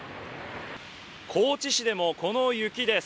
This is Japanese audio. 高知市でもこの雪です。